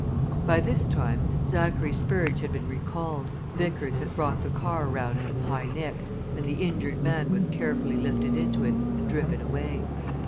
By this time Zachary Spurge had been recalled, Vickers had brought the car round from High Nick, and the injured man was carefully lifted into it and driven away.